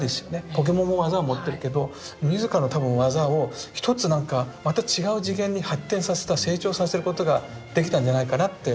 ポケモンも技は持ってるけど自らの多分技をひとつなんかまた違う次元に発展させた成長させることができたんじゃないかなって想像するんですよ。